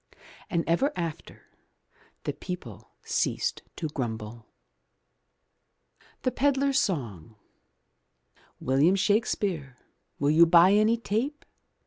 And ever after the people ceased to grumble. THE PEDLAR'S SONG William Shakespeare Will you buy any tape.